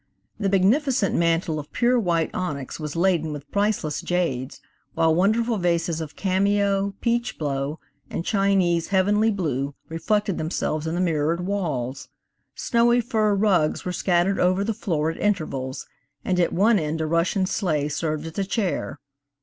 The magnificent mantel of pure white onyx was laden with priceless jades, while wonderful vases of cameo, peach blow, and Chinese "heavenly blue" reflected themselves in the mirrored walls. Snowy fur rugs were scattered over the floor at intervals, and at one end a Russian sleigh served as a chair.